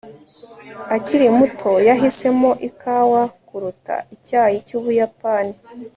akiri muto, yahisemo ikawa kuruta icyayi cy'ubuyapani